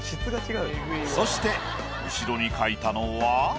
そして後ろに描いたのは。